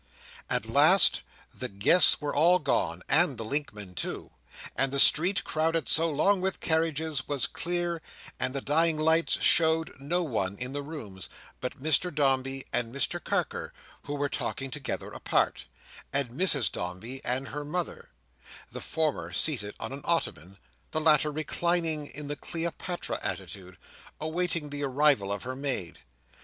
At last, the guests were all gone, and the linkmen too; and the street, crowded so long with carriages, was clear; and the dying lights showed no one in the rooms, but Mr Dombey and Mr Carker, who were talking together apart, and Mrs Dombey and her mother: the former seated on an ottoman; the latter reclining in the Cleopatra attitude, awaiting the arrival of her maid.